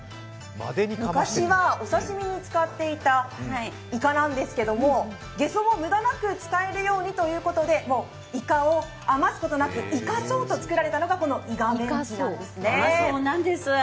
昔はお刺身に使っていたイカなんですけど、げそも無駄なく使えるようにということで、もうイカをあますところなくイカそうとしたのがこのイガメンチなんですね。